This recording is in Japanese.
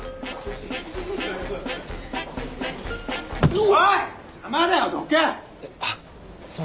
おい！